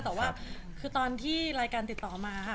แต่ว่าคือตอนที่รายการติดต่อมาค่ะ